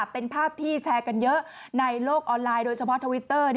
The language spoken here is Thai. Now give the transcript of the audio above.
เป็นภาพที่แชร์กันเยอะในโลกออนไลน์โดยเฉพาะทวิตเตอร์